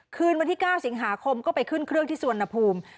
คืนวันที่๙สิงหาคมก็ไปขึ้นเครื่องที่สวนภูมิ